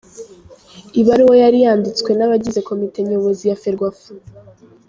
Ibaruwa yari yanditswe n’abagize Komite Nyobozi ya Ferwafa.